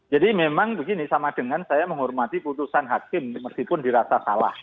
jadi memang begini sama dengan saya menghormati putusan hakim meskipun dirasa salah